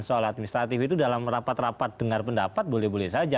soal administratif itu dalam rapat rapat dengar pendapat boleh boleh saja